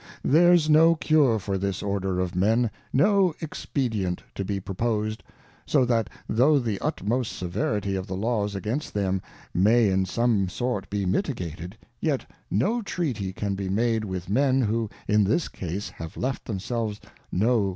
There's no Cure for this Order of Men, no Ex pedient to be propos'd, so that tho the utmost severity of the Laws against them may in some sort be mitigated, yet no Treaty can Jje made with Men who in this Case havaleft them selves BO.